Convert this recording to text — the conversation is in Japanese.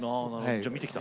じゃあ見てきた？